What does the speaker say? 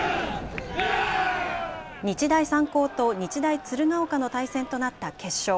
日大三高と日大鶴ヶ丘の対戦となった決勝。